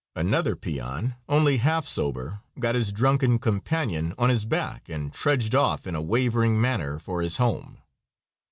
Another peon, only half sober, got his drunken companion on his back and trudged off, in a wavering manner, for his home.